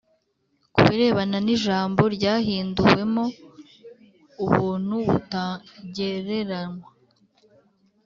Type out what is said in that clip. Ku birebana n’ijambo ryahinduwemo “ubuntu butagereranywa